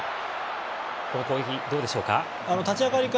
この攻撃、どうでしょうか。